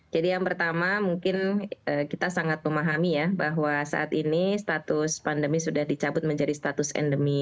jadi yang pertama kita mungkin sangat memahami bahwa saat ini status pandemi sudah di cabut menjadi status endemi